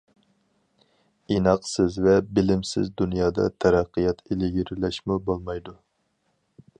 ئىناقسىز ۋە بىلىمسىز دۇنيادا تەرەققىيات، ئىلگىرىلەشمۇ بولمايدۇ.